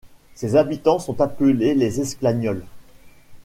Ses habitants sont appelés les Esclagnols.